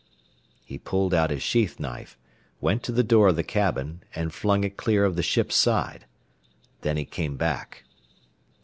He pulled out his sheath knife, went to the door of the cabin, and flung it clear of the ship's side. Then he came back.